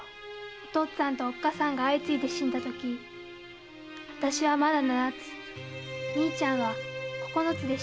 お父っつぁんとおっかさんが相次いで死んだときあたしはまだ七つ兄ちゃんは九つでした。